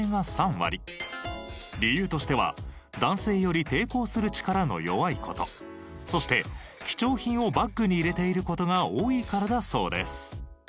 理由としては男性より抵抗する力の弱い事そして貴重品をバッグに入れている事が多いからだそうです。